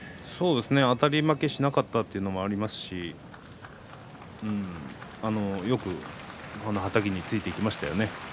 あたり負けしなかったというところもありますしよくこのはたきについていきましたよね。